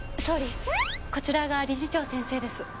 総理こちらが理事長先生です。